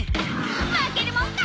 負けるもんか！